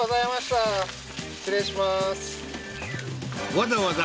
わざわざ